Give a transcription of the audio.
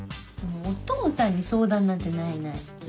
お父さんに相談なんてないない。